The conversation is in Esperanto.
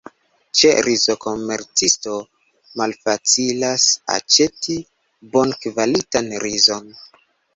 Ĉe rizkomercisto malfacilas aĉeti bonkvalitan rizon.